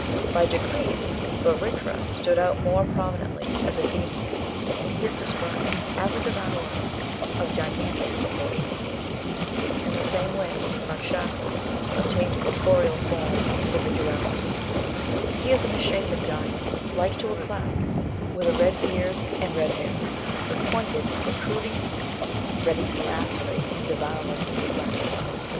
By degrees Vritra stood out more prominently as a daemon, and he is described as a " devourer " of gigantic proportions. In the same way Eakshasas obtained corporeal form and individuality. He is a misshapen giant " like to a cloud," with a red beard and red hair, with pointed protruding teeth, ready to lacerate and devour human flesh.